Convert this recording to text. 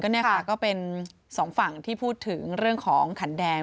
นี่ค่ะก็เป็นสองฝั่งที่พูดถึงเรื่องของขันแดง